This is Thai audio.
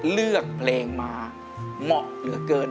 เลือกเพลงมาเหมาะเหลือเกิน